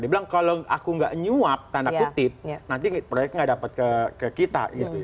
dibilang kalau aku enggak nyuap tanda kutip nanti proyeknya gak dapat ke kita gitu